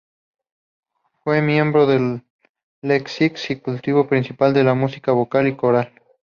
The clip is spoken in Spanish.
Fue miembro de Les Six, y cultivo principalmente la música vocal y coral.